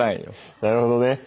なるほどね。